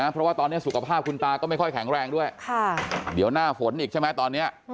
เพราะว่าตอนนี้สุขภาพคุณตาก็ไม่ค่อยแข็งแรงด้วยเดี๋ยวหน้าฝนอีกใช่ไหมตอนนี้